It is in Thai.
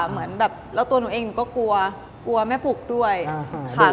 เหมือนแบบแล้วตัวหนูเองหนูก็กลัวกลัวแม่ปุกด้วยค่ะ